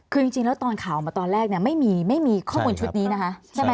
คือจริงแล้วตอนข่าวมาตอนแรกเนี่ยไม่มีข้อมูลชุดนี้นะคะ